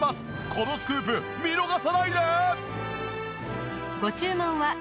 このスクープ見逃さないで！